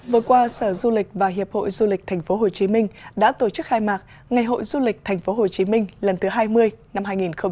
vừa qua sở du lịch và hiệp hội du lịch tp hcm đã tổ chức khai mạc ngày hội du lịch tp hcm lần thứ hai mươi năm hai nghìn hai mươi